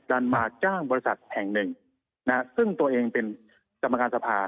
ดันมาจ้างบริษัทแห่งหนึ่งนะฮะซึ่งตัวเองเป็นกรรมการสภา